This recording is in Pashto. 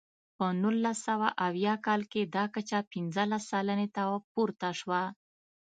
په نولس سوه اویا کال کې دا کچه پنځلس سلنې ته پورته شوه.